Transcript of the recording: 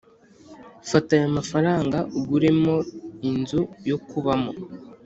fata ayamafaranga uguremo inzu yokubamo